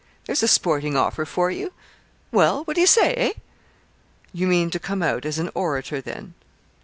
There's a sporting offer for you. Well! what do you say eh?' 'You mean to come out as an orator, then?'